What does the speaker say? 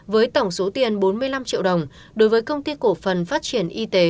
với tổng số tiền bốn mươi năm triệu đồng đối với công ty cổ phần phát triển y tế